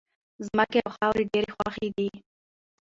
ځمکې او خاورې ډېرې خوښې دي.